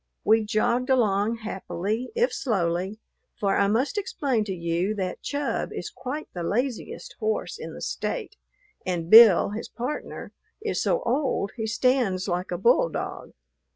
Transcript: We jogged along happily, if slowly, for I must explain to you that Chub is quite the laziest horse in the State, and Bill, his partner, is so old he stands like a bulldog.